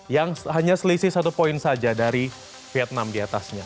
yang hanya selisih satu poin saja dari vietnam diatasnya